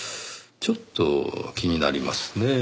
ちょっと気になりますねぇ。